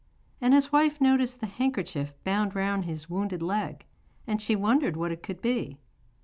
And his wife noticed the handkerchief bound round his wounded leg, and she wondered what it could be.